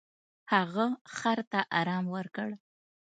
هغه خر ته ارام ورکړ.